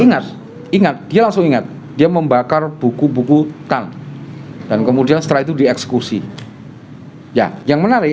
ingat ingat dia langsung ingat dia membakar buku buku tangan kemudian setelah itu dieksekusi ya